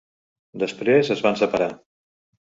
Després es van separar.